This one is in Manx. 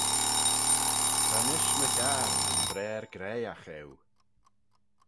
Ta mish my hiarn yn braar graihagh eu.